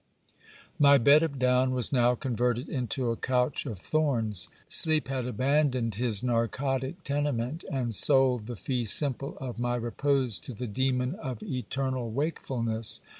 My bed of down was now converted into a couch of thorns; sleep had abandoned his narcotic tenement, and sold the fee simple of my repose to the demon of eternal wakefulness.